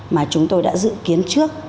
mà chúng tôi đã dự kiến trước